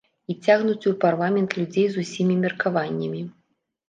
І цягнуць у парламент людзей з усімі меркаваннямі.